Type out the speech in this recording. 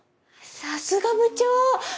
さすが部長！